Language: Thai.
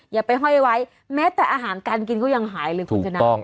อย่าไปไห้ไว้แม้แต่อาหารกันกินก็ยังหายเลยคุณคุณนักถูกต้อง